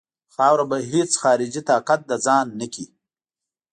خاوره به هیڅ خارجي طاقت د ځان نه کړي.